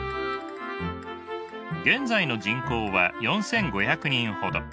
現在の人口は４，５００人ほど。